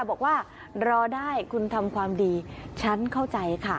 บอกว่ารอได้คุณทำความดีฉันเข้าใจค่ะ